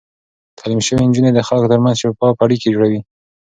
تعليم شوې نجونې د خلکو ترمنځ شفاف اړيکې جوړوي.